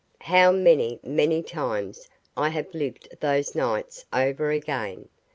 How many, many times I have lived those nights over again!